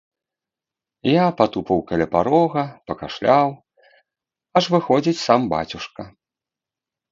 Я патупаў каля парога, пакашляў, аж выходзіць сам бацюшка.